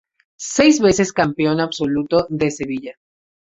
Seis veces campeón absoluto de Sevilla.